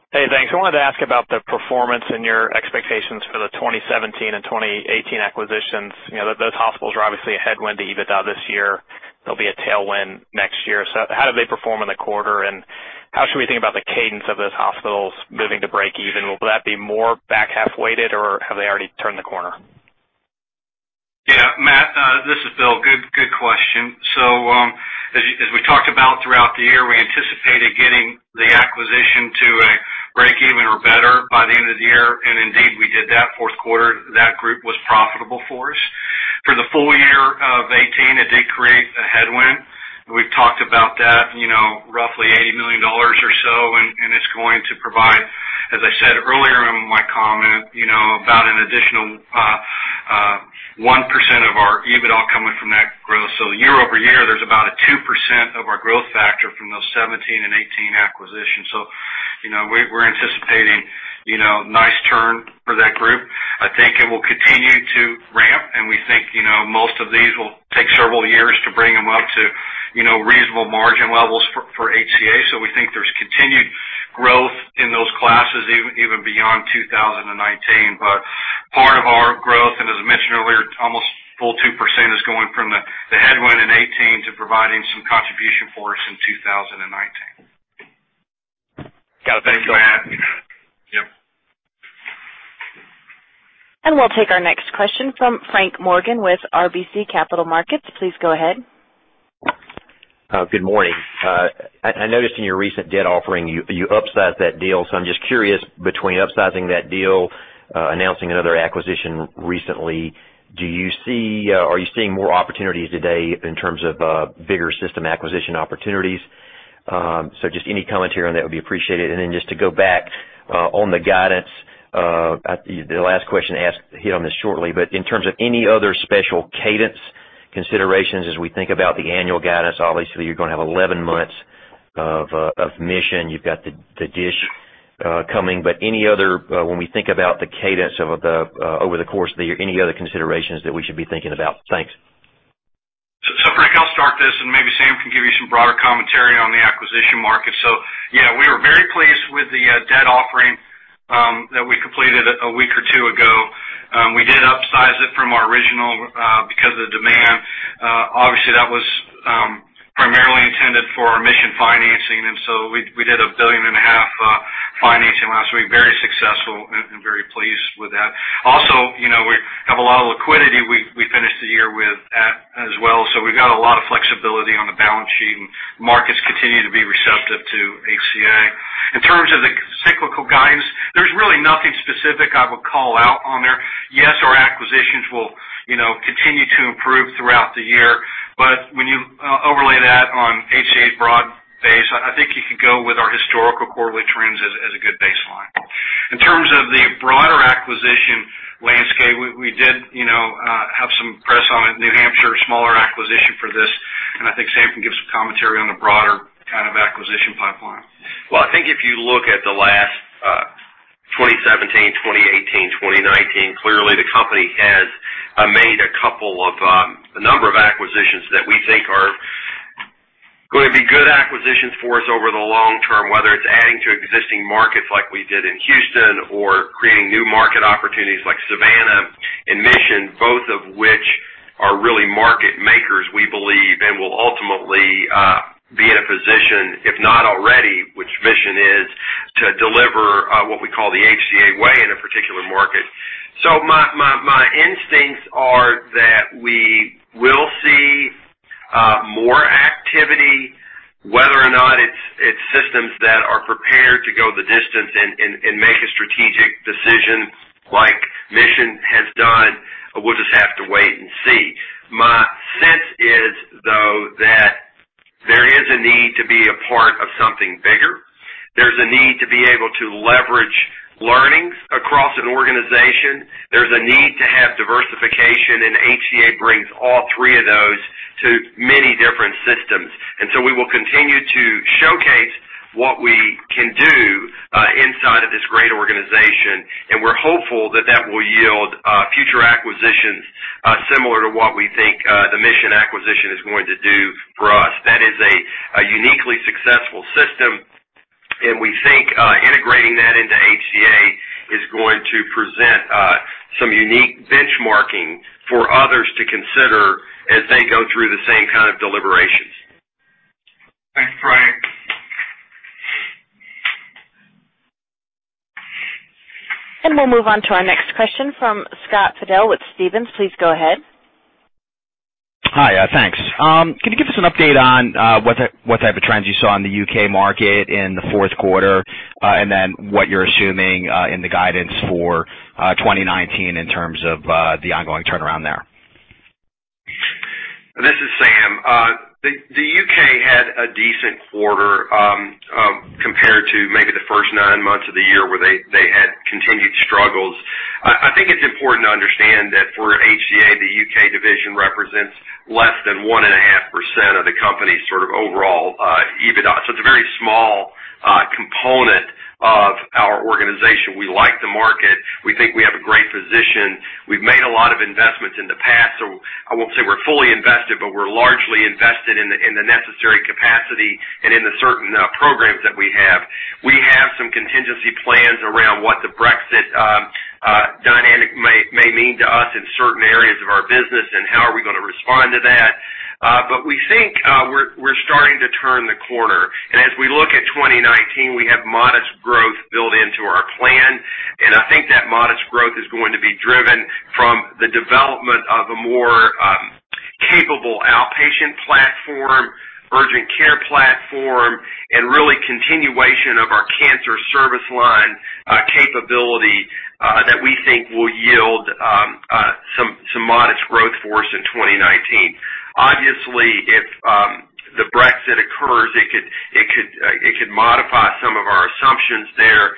Hey, thanks. I wanted to ask about the performance and your expectations for the 2017 and 2018 acquisitions. Those hospitals are obviously a headwind to EBITDA this year. They'll be a tailwind next year. How did they perform in the quarter, and how should we think about the cadence of those hospitals moving to breakeven? Will that be more back-half weighted, or have they already turned the corner? Yeah, Matt, this is Bill. Good question. As we talked about throughout the year, we anticipated getting the acquisition to a breakeven or better by the end of the year. Indeed, we did that. Fourth quarter, that group was profitable for us. For the full year of 2018, it did create a headwind. We've talked about that roughly $80 million or so, and it's going to provide, as I said earlier in my comment, about an additional 1% of our EBITDA coming from that growth. Year-over-year, there's about a 2% of our growth factor from those 2017 and 2018 acquisitions. We're anticipating nice turn for that group. I think it will continue to ramp, and we think most of these will take several years to bring them up to reasonable margin levels for HCA. We think there's continued growth in those classes even beyond 2019. Part of our growth, and as I mentioned earlier, almost full 2% is going from the headwind in 2018 to providing some contribution for us in 2019. Got it. Thank you. Thanks, Matt. Yep. We'll take our next question from Frank Morgan with RBC Capital Markets. Please go ahead. Good morning. I noticed in your recent debt offering, you upsized that deal. I'm just curious, between upsizing that deal, announcing another acquisition recently, are you seeing more opportunities today in terms of bigger system acquisition opportunities? Just any commentary on that would be appreciated. Then just to go back on the guidance, the last question hit on this shortly, but in terms of any other special cadence considerations as we think about the annual guidance, obviously, you're going to have 11 months of Mission. You've got the DSH coming. When we think about the cadence over the course of the year, any other considerations that we should be thinking about? Thanks. Frank, I'll start this, and maybe Sam can give you some broader commentary on the acquisition market. We were very pleased with the debt offering that we completed a week or two ago. We did upsize it from our original because of the demand. Obviously, that was primarily intended for our Mission financing, and we did a billion and a half financing last week. Very successful and very pleased with that. Also, we have a lot of liquidity we finished the year with as well. We've got a lot of flexibility on the balance sheet, and markets continue to be receptive to HCA. In terms of the cyclical guidance, there's really nothing specific I would call out on there. Our acquisitions will continue to improve throughout the year. When you overlay that on HCA's broad base, I think you could go with our historical quarterly trends as a good baseline. In terms of the broader acquisition landscape, we did have some press on it, New Hampshire, smaller acquisition for this, and I think Sam can give some commentary on the broader kind of acquisition pipeline. I think if you look at the last 2017, 2018, 2019, clearly the company has made a number of acquisitions that we think are going to be good acquisitions for us over the long term, whether it's adding to existing markets like we did in Houston or creating new market opportunities like Savannah and Mission, both of which are really market makers, we believe, and will ultimately be in a position, if not already, which Mission is, to deliver what we call the HCA Way in a particular market. My instincts are that we will see more activity. Whether or not it's systems that are prepared to go the distance and make a strategic decision like Mission has done, we'll just have to wait and see. My sense is, though, that there is a need to be a part of something bigger. There's a need to be able to leverage learnings across an organization. There's a need to have diversification, HCA brings all three of those to many different systems. We will continue to showcase what we can do inside of this great organization, and we're hopeful that that will yield future acquisitions similar to what we think the Mission acquisition is going to do for us. That is a uniquely successful system, and we think integrating that into HCA is going to present some unique benchmarking for others to consider as they go through the same kind of deliberations. Thanks, Frank. We'll move on to our next question from Scott Fidel with Stephens. Please go ahead. Hi. Thanks. Can you give us an update on what type of trends you saw in the U.K. market in the fourth quarter, what you're assuming in the guidance for 2019 in terms of the ongoing turnaround there? This is Sam. The U.K. had a decent quarter compared to maybe the first nine months of the year where they had continued struggles. I think it's important to understand that for HCA, the U.K. division represents less than 1.5% of the company's sort of overall EBITDA. It's a very small component of our organization. We like the market. We think we have a great position. We've made a lot of investments in the past, so I won't say we're fully invested, but we're largely invested in the necessary capacity and in the certain programs that we have. We have some contingency plans around what the Brexit dynamic may mean to us in certain areas of our business and how are we going to respond to that. We think we're starting to turn the corner. As we look at 2019, we have modest growth built into our plan, and I think that modest growth is going to be driven from the development of a more capable outpatient platform, urgent care platform, and really continuation of our cancer service line capability that we think will yield some modest growth for us in 2019. Obviously, if the Brexit occurs, it could modify some of our assumptions there.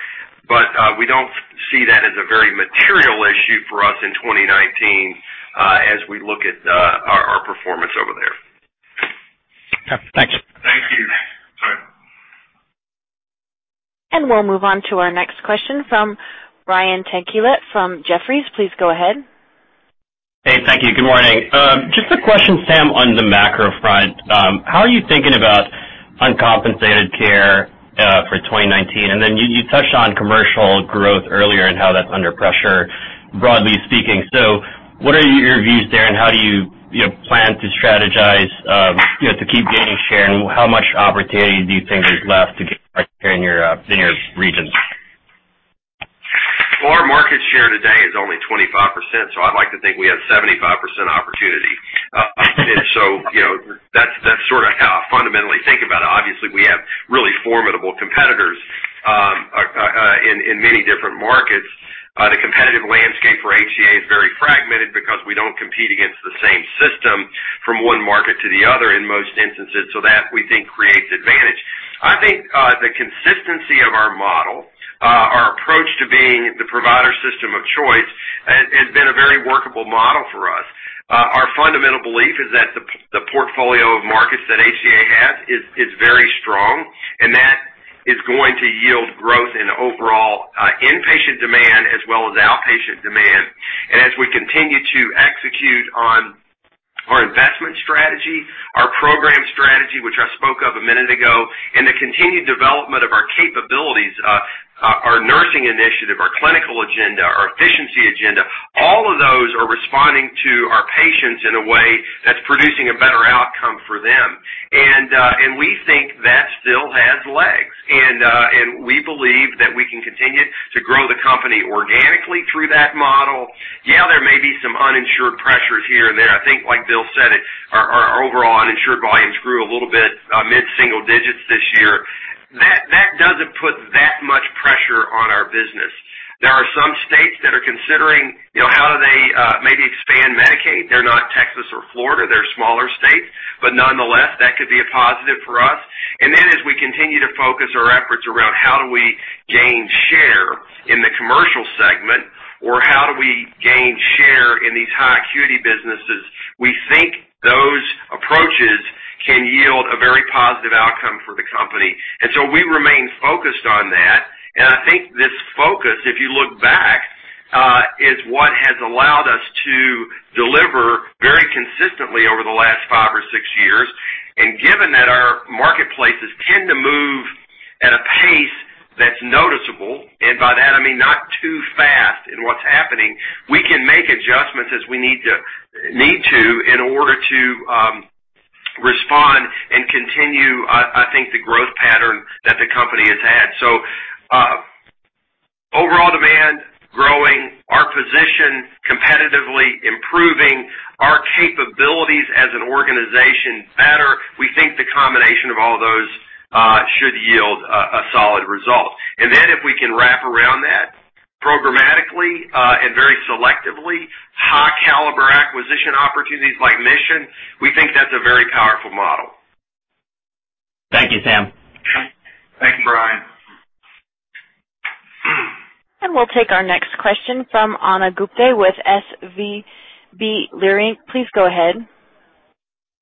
We don't see that as a very material issue for us in 2019 as we look at our performance over there. Okay, thanks. Thank you, Scott. We'll move on to our next question from Ryan Daniels from Jefferies. Please go ahead. Hey, thank you. Good morning. Just a question, Sam, on the macro front. How are you thinking about uncompensated care for 2019? Then you touched on commercial growth earlier and how that's under pressure, broadly speaking. What are your views there, and how do you plan to strategize to keep gaining share, and how much opportunity do you think is left to get share in your regions? Well, our market share today is only 25%, so I'd like to think we have 75% opportunity. That's sort of how I fundamentally think about it. Obviously, we have really formidable competitors in many different markets. The competitive landscape for HCA is very fragmented because we don't compete against the same system from one market to the other in most instances. That, we think, creates advantage. I think the consistency of our model, our approach to being the provider system of choice, has been a very workable model for us. Our fundamental belief is that the portfolio of markets that HCA has is very strong, and that is going to yield growth in overall inpatient demand as well as outpatient demand. As we continue to execute on our investment strategy, our program strategy, which I spoke of a minute ago, and the continued development of our capabilities, our nursing initiative, our clinical agenda, our efficiency agenda, all of those are responding to our patients in a way that's producing a better outcome for them. We think that still has legs. We believe that we can continue to grow the company organically through that model. Yeah, there may be some uninsured pressures here and there. I think like Bill said it, our overall uninsured volumes grew a little bit mid-single digits this year. That doesn't put that much pressure on our business. There are some states that are considering how do they maybe expand Medicaid. They're not Texas or Florida, they're smaller states. Nonetheless, that could be a positive for us. As we continue to focus our efforts around how do we gain share in the commercial segment or how do we gain share in these high acuity businesses, we think can yield a very positive outcome for the company. We remain focused on that. I think this focus, if you look back, is what has allowed us to deliver very consistently over the last five or six years. Given that our marketplaces tend to move at a pace that's noticeable, and by that, I mean, not too fast in what's happening, we can make adjustments as we need to in order to respond and continue, I think, the growth pattern that the company has had. Overall demand growing, our position competitively improving, our capabilities as an organization better. We think the combination of all those should yield a solid result. If we can wrap around that programmatically and very selectively, high caliber acquisition opportunities like Mission, we think that's a very powerful model. Thank you, Sam. Thank you, Ryan. We'll take our next question from Ana Gupte with SVB Leerink. Please go ahead.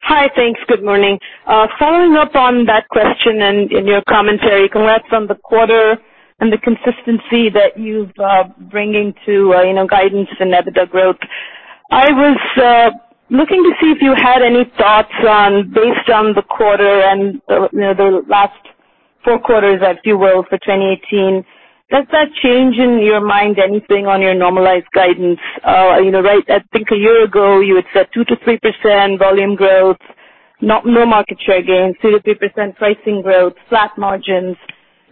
Hi. Thanks. Good morning. Following up on that question and in your commentary, congrats on the quarter and the consistency that you've bringing to guidance and EBITDA growth. I was looking to see if you had any thoughts based on the quarter and the last four quarters, if you will, for 2018. Does that change, in your mind, anything on your normalized guidance? I think a year ago, you had said 2%-3% volume growth, no market share gains, 2%-3% pricing growth, flat margins.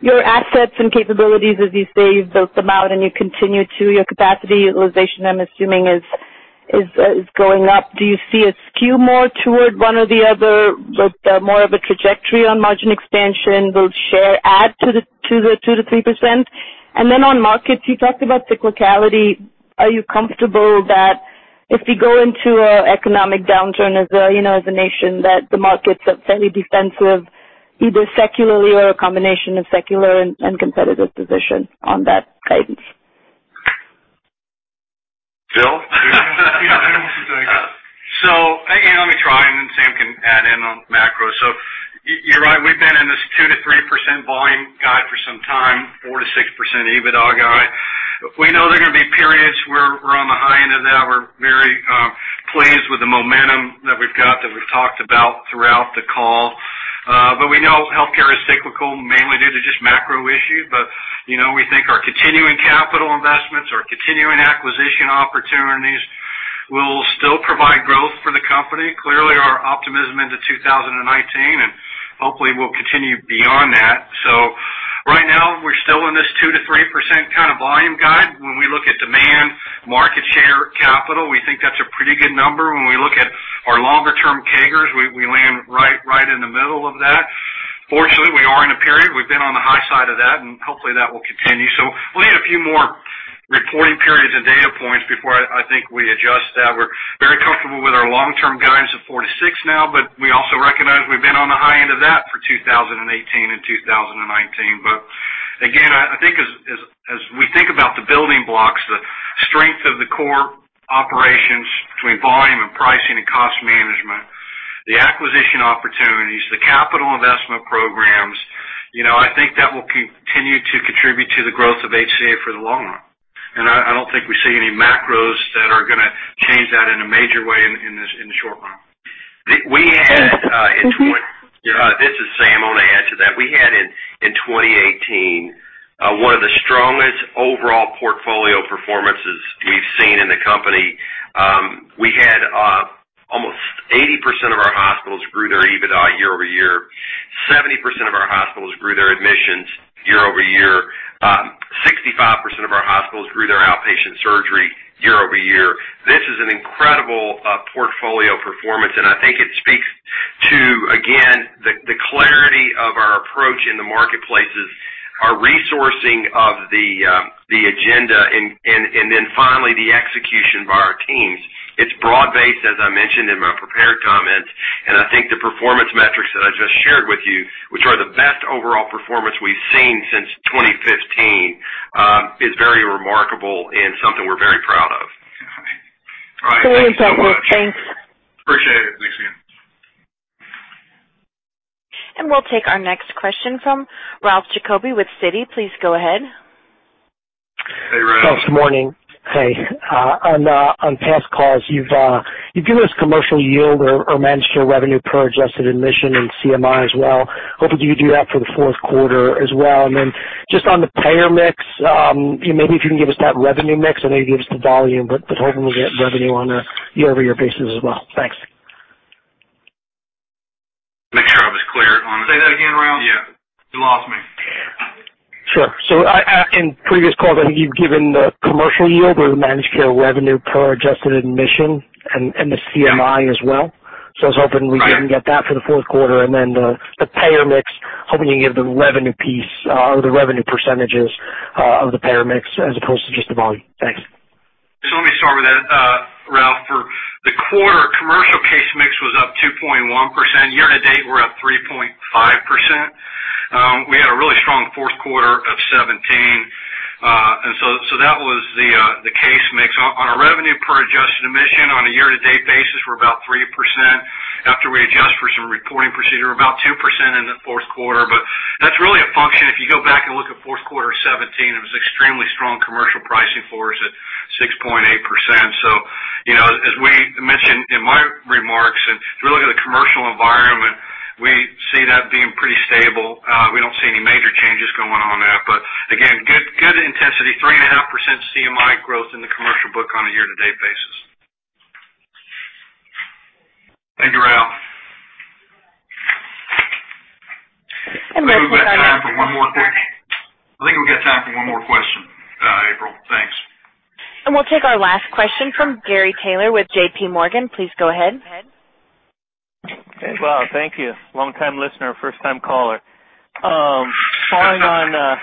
Your assets and capabilities, as you say, you've built them out and you continue to. Your capacity utilization, I'm assuming, is going up. Do you see a skew more toward one or the other with more of a trajectory on margin expansion? Will share add to the 2%-3%? On markets, you talked about cyclicality. Are you comfortable that if you go into an economic downturn as a nation, that the markets are fairly defensive, either secularly or a combination of secular and competitive position on that guidance? Bill? I don't know what to think. Let me try, then Sam can add in on macro. You're right. We've been in this 2%-3% volume guide for some time, 4%-6% EBITDA guide. We know there are going to be periods where we're on the high end of that. We're very pleased with the momentum that we've got that we've talked about throughout the call. We know healthcare is cyclical mainly due to just macro issues. We think our continuing capital investments, our continuing acquisition opportunities will still provide growth for the company. Clearly, our optimism into 2019, hopefully will continue beyond that. Right now, we're still in this 2%-3% kind of volume guide. When we look at demand, market share, capital, we think that's a pretty good number. When we look at our longer term CAGRs, we land right in the middle of that. Fortunately, we are in a period. We've been on the high side of that, and hopefully that will continue. We'll need a few more reporting periods and data points before I think we adjust that. We're very comfortable with our long-term guidance of 4%-6% now, but we also recognize we've been on the high end of that for 2018 and 2019. Again, I think as we think about the building blocks, the strength of the core operations between volume and pricing and cost management, the acquisition opportunities, the capital investment programs, I think that will continue to contribute to the growth of HCA for the long run. I don't think we see any macros that are going to change that in a major way in the short run. This is Sam. I want to add to that. We had in 2018, one of the strongest overall portfolio performances we've seen in the company. We had almost 80% of our hospitals grew their EBITDA year-over-year. 70% of our hospitals grew their admissions year-over-year. 65% of our hospitals grew their outpatient surgery year-over-year. This is an incredible portfolio performance. I think it speaks to, again, the clarity of our approach in the marketplaces, our resourcing of the agenda, and then finally, the execution by our teams. It's broad-based, as I mentioned in my prepared comments. I think the performance metrics that I just shared with you, which are the best overall performance we've seen since 2015, is very remarkable and something we're very proud of. Very impressive. Thanks. Appreciate it. Thanks again. We'll take our next question from Ralph Giacobbe with Citi. Please go ahead. Hey, Ralph. Ralph, good morning. Hey. On past calls, you've given us commercial yield or managed care revenue per adjusted admission and CMI as well. Hoping you could do that for the fourth quarter as well. Then just on the payer mix, maybe if you can give us that revenue mix or maybe give us the volume, but hoping we'll get revenue on a year-over-year basis as well. Thanks. Make sure I was clear on- Say that again, Ralph? Yeah. You lost me. Sure. In previous calls, I think you've given the commercial yield or the managed care revenue per adjusted admission and the CMI as well. I was hoping we can get that for the fourth quarter and then the payer mix, hoping you can give the revenue piece or the revenue % of the payer mix as opposed to just the volume. Thanks. Let me start with that, Ralph. For the quarter, commercial case mix was up 2.1%. Year to date, we're up 3.5%. We had a really strong fourth quarter of 2017. That was the case mix. On our revenue per adjusted admission on a year-to-date basis, we're about 3% after we adjust for some reporting procedure, about 2% in the fourth quarter. That's really a function. If you go back and look at fourth quarter of 2017, it was extremely strong commercial pricing for us at 6.8%. As we mentioned in my remarks, and if you look at the commercial environment, we see that being pretty stable. We don't see any major changes going on there. Again, good intensity, 3.5% CMI growth in the commercial book on a year-to-date basis. Thank you, Ralph. I think we've got time for one more question. I think we've got time for one more question, April. Thanks. We'll take our last question from Gary Taylor with J.P. Morgan. Please go ahead. Okay. Well, thank you. Long time listener, first time caller. Following on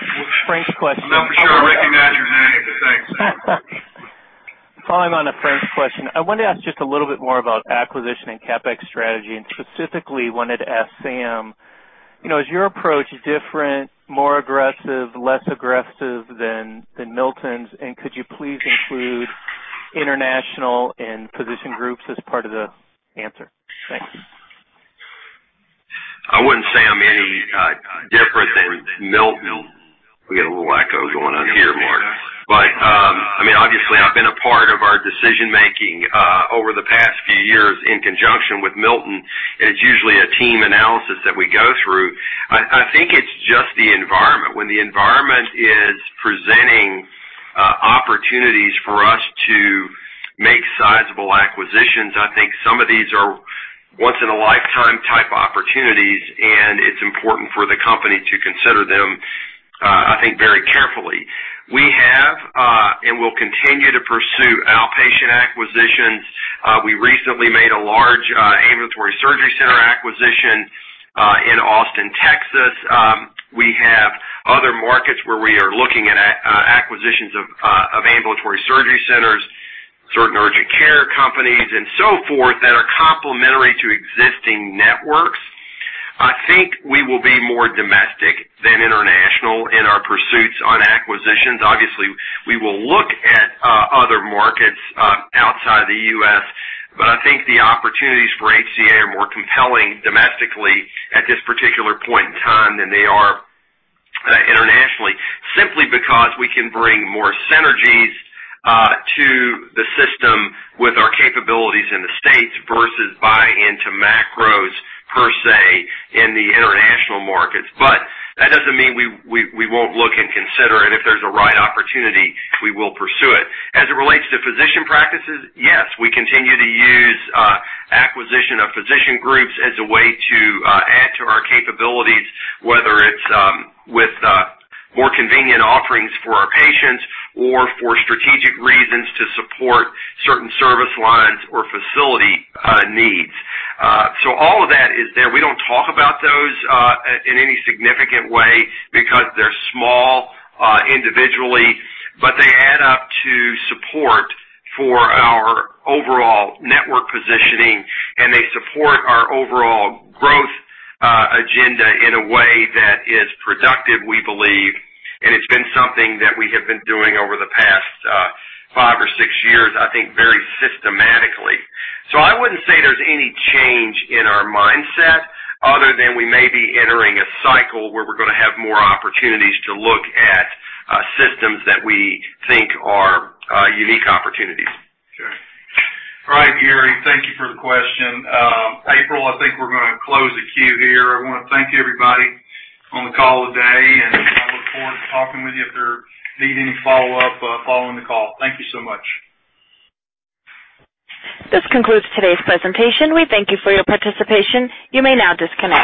Frank's question. I'm not for sure I recognize your name. Thanks. Following on Frank's question, I wanted to ask just a little bit more about acquisition and CapEx strategy, specifically wanted to ask Sam, is your approach different, more aggressive, less aggressive than Milton's? Could you please include international and physician groups as part of the answer? Thanks. I wouldn't say I'm any different than Milton. We got a little echo going on here, Mark. Obviously, I've been a part of our decision-making over the past few years in conjunction with Milton, it's usually a team analysis that we go through. I think it's just the environment. When the environment is presenting opportunities for us to make sizable acquisitions, I think some of these are once-in-a-lifetime type opportunities, it's important for the company to consider them, I think, very carefully. We have, and will continue to pursue outpatient acquisitions. We recently made a large ambulatory surgery center acquisition in Austin, Texas. We have other markets where we are looking at acquisitions of ambulatory surgery centers, certain urgent care companies, and so forth, that are complementary to existing networks. I think we will be more domestic than international in our pursuits on acquisitions. Obviously, we will look at other markets outside the U.S., I think the opportunities for HCA are more compelling domestically at this particular point in time than they are internationally, simply because we can bring more synergies to the system with our capabilities in the States versus buying into macros per se, in the international markets. That doesn't mean we won't look and consider it. If there's a right opportunity, we will pursue it. As it relates to physician practices, yes, we continue to use acquisition of physician groups as a way to add to our capabilities, whether it's with more convenient offerings for our patients or for strategic reasons to support certain service lines or facility needs. All of that is there. We don't talk about those in any significant way because they're small individually, but they add up to support for our overall network positioning, and they support our overall growth agenda in a way that is productive, we believe. It's been something that we have been doing over the past five or six years, I think, very systematically. I wouldn't say there's any change in our mindset other than we may be entering a cycle where we're going to have more opportunities to look at systems that we think are unique opportunities. Sure. All right. Gary, thank you for the question. April, I think we're going to close the queue here. I want to thank everybody on the call today. I look forward to talking with you if there need any follow-up following the call. Thank you so much. This concludes today's presentation. We thank you for your participation. You may now disconnect.